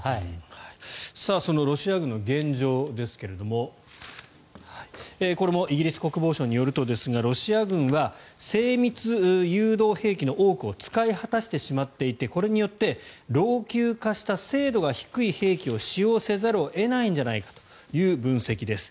そのロシア軍の現状ですがこれもイギリス国防省によるとですがロシア軍は精密誘導兵器の多くを使い果たしてしまっていてこれによって老朽化した精度が低い兵器を使用せざるを得ないんじゃないかという分析です。